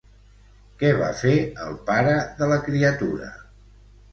Què va fer el pare de la criatura?